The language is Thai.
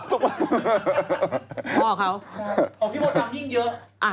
พ่อพี่โดด่ามเรื่องยิ่งเยอะ